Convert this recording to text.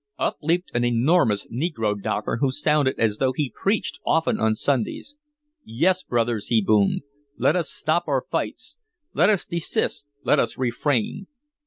Up leaped an enormous negro docker who sounded as though he preached often on Sundays. "Yes, brothers," he boomed, "let us stop our fights. Let us desist let us refrain.